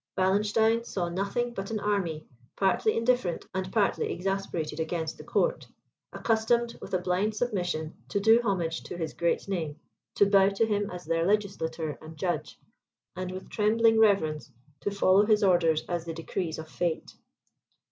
Wallenstein saw nothing but an army, partly indifferent and partly exasperated against the court, accustomed, with a blind submission, to do homage to his great name, to bow to him as their legislator and judge, and with trembling reverence to follow his orders as the decrees of fate.